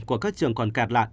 của các trường còn kẹt lạn